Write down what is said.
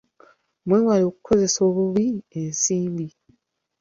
Mwewale okukozesa obubi ensimbi.